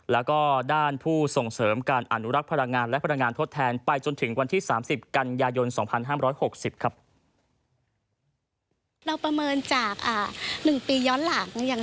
แล้วก็ด้านผู้ส่งเสริมการอนุรักษ์พลังงาน